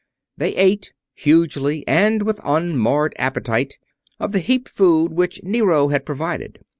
They ate, hugely and with unmarred appetite, of the heaped food which Nero had provided.